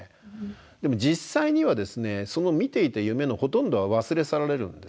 でも実際にはですねその見ていた夢のほとんどは忘れ去られるんですね。